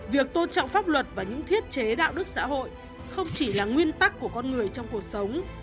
việc tôn trọng pháp luật và những thiết chế đạo đức xã hội không chỉ là nguyên tắc của con người trong cuộc sống